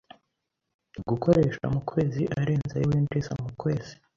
Gukoresha mu kwezi arenze ayo winjiza mu kwezi,